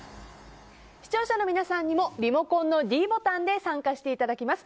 視聴者の皆さんにもリモコンのｄボタンで参加していただきます。